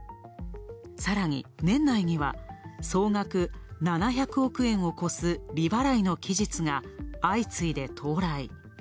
さらに年内には、総額７００億円を超す利払いの期日が相次いで到来。